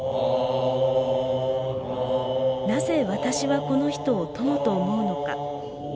なぜ、私はこの人を友と思うのか。